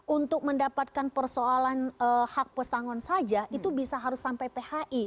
untuk mendapatkan persoalan hak pesangon saja itu bisa harus sampai phi